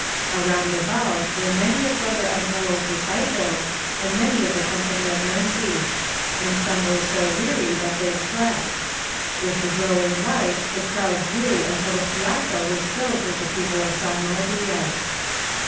Around about were many of Brother Agnello's disciples and many of the company of mercy; and some were so weary that they slept. With the growing light the crowd grew until the piazza was filled with the people of San Moglio.